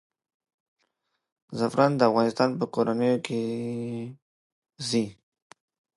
زعفران د افغانستان په رګونو کې ځي.